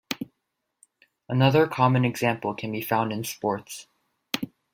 Another common example can be found in sports.